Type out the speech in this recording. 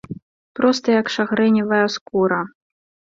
Проста як шагрэневая скура.